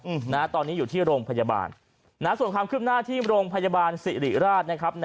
อืมนะฮะตอนนี้อยู่ที่โรงพยาบาลนะฮะส่วนความคืบหน้าที่โรงพยาบาลสิริราชนะครับ